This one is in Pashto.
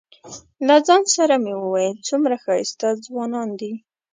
له ځان سره مې ویل څومره ښایسته ځوانان دي.